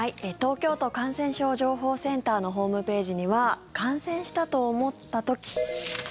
東京都感染症情報センターのホームページには感染したと思った時